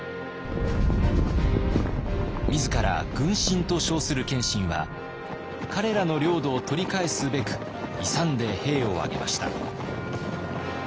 自ら「軍神」と称する謙信は彼らの領土を取り返すべく勇んで兵を挙げました。